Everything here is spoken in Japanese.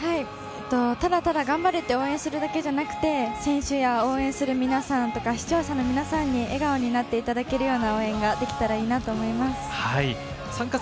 ただただ「頑張れ！」って応援するだけじゃなくて、選手や応援する皆さんや、視聴者の皆さんに笑顔になっていただけるような応援ができたらいいなと思います。